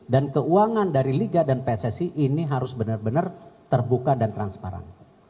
dan keuangan dari liga dan pssc ini harus benar benar terbuka dan transparan